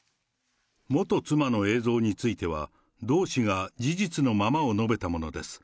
元妻の映像については、同氏が事実のままを述べたものです。